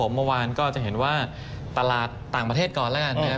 เมื่อวานก็จะเห็นว่าตลาดต่างประเทศก่อนแล้วกันนะครับ